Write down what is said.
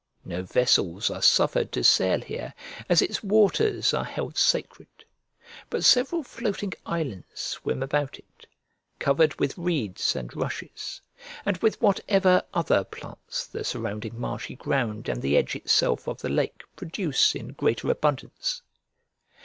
No vessels are suffered to sail here, as its waters are held sacred; but several floating islands swim about it, covered with reeds and rushes, and with whatever other plants the surrounding marshy ground and the edge itself of the lake produce in greater abundance.